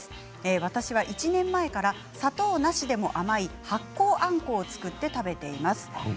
私は１年前から砂糖なしでも甘い発酵あんこを造って食べています。